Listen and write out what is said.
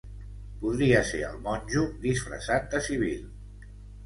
Podria ser el monjo disfressat de civil.